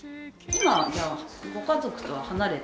今はじゃあご家族とは離れて。